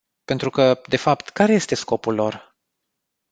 Pentru că, de fapt, care este scopul lor?